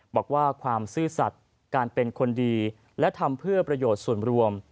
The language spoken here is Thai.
บอกว่าความซื่อสัตว์การเป็นคนดีและทำเพื่อประโยชน์ส่วนรวม